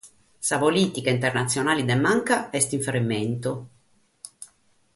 Sa polìtica internatzionale de manca est in fermentu.